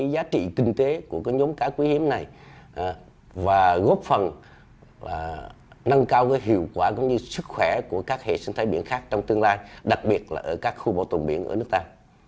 giá trị kinh tế của nhóm cá quý hiếm này và góp phần nâng cao hiệu quả cũng như sức khỏe của các hệ sinh thái biển khác trong tương lai đặc biệt là ở các khu bảo tồn biển ở nước ta